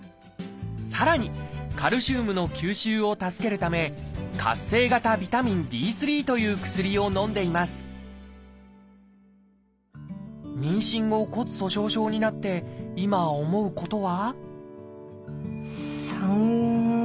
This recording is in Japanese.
さらにカルシウムの吸収を助けるため活性型ビタミンＤという薬をのんでいます妊娠後骨粗しょう症になって今思うことは？